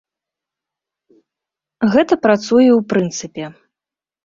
Гэта працуе ў прынцыпе.